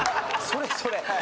それそれ。